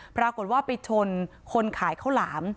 ปรากฏว่าไปชนคนขายข้าวหลาม